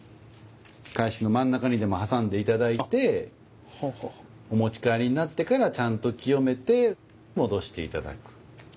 懐紙の真ん中にでも挟んで頂いてお持ち帰りになってからちゃんと清めて戻して頂く。